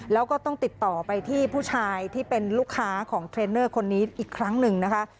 แล้วก็ต้องติดต่อไปที่ผู้ชายที่เป็นลูกค้าของเทรนเนอร์คนนี้อีกครั้งหนึ่งนะคะ